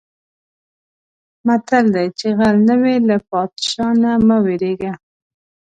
متل دی: چې غل نه وې له پادشاه نه مه وېرېږه.